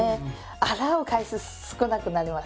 洗う回数少なくなります。